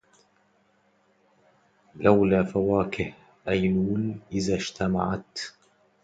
لولا فواكه أيلول إذا اجتمعت